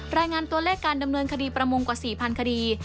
รายงานตัวเลขการดำเนินคดีประมงกว่า๔๐๐คดี